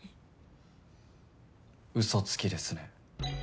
うそつきですね。